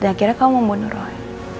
dan akhirnya kamu membunuh roy